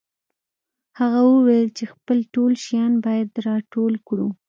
هغه وویل چې خپل ټول شیان باید راټول کړو